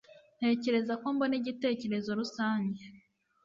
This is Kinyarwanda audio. Ntekereza ko mbona igitekerezo rusange